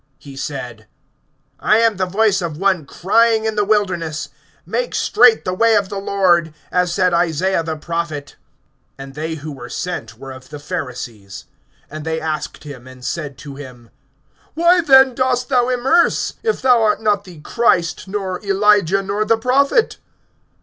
(23)He said: I am the voice of one crying in the wilderness: Make straight the way of the Lord, as said Isaiah the prophet. (24)And they who were sent were of the Pharisees. (25)And they asked him, and said to him: Why then dost thou immerse, if thou art not the Christ, nor Elijah, nor the Prophet?